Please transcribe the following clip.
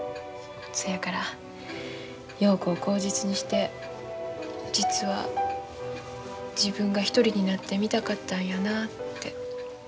そやから陽子を口実にして実は自分が一人になってみたかったんやなって。